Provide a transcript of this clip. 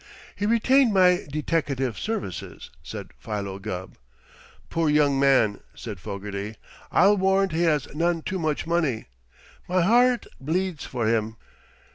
"He retained my deteckative services," said Philo Gubb. "Poor young man!" said Fogarty. "I'll warrant he has none too much money. Me hear rt bleeds for him.